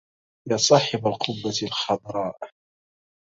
يا صاحب القبة الخضراء